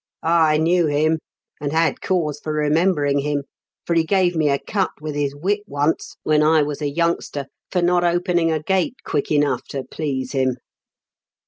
I knew him, and had cause for remembering him ; for he gave me a cut with his whip once, when I was a youngster, for not opening a gate quick enough to please him.